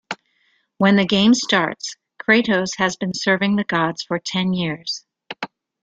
When the game starts, Kratos has been serving the gods for ten years.